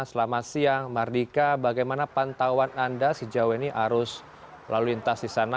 selamat siang mardika bagaimana pantauan anda sejauh ini arus lalu lintas di sana